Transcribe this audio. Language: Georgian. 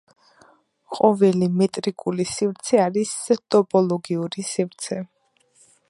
ყოველი მეტრიკული სივრცე არის ტოპოლოგიური სივრცე.